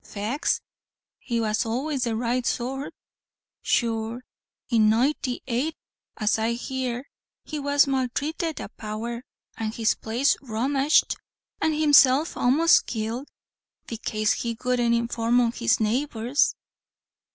"Faix he was always the right sort sure in Nointy eight, as I hear, he was malthrated a power, and his place rummaged, and himself a'most kilt, bekase he wouldn't inform an his neighbours."